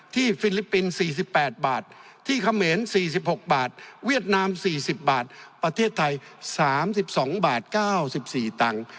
ฟิลิปปินส์๔๘บาทที่เขมร๔๖บาทเวียดนาม๔๐บาทประเทศไทย๓๒บาท๙๔ตังค์